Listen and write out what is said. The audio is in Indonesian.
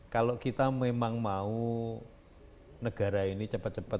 kalau kita memang mau negara ini cepat cepat